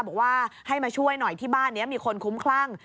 บอกว่าให้มาช่วยหน่อยที่บ้านนี้มีคนคุ้มคลั่ง